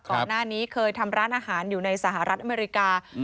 ก่อนหน้านี้เคยทำร้านอาหารอยู่ในสหรัฐอเมริกา